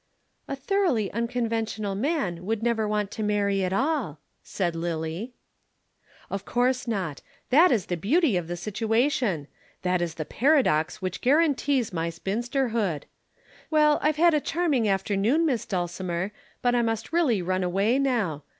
"A thoroughly unconventional man would never want to marry at all," said Lillie. "Of course not. That is the beauty of the situation. That is the paradox which guarantees my spinsterhood. Well, I've had a charming afternoon, Miss Dulcimer, but I must really run away now.